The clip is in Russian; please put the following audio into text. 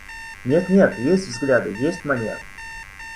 Нет, нет, есть взгляды, есть манеры.